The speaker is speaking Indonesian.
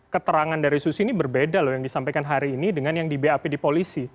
keterangan dari susi ini berbeda loh yang disampaikan hari ini dengan yang di bap di polisi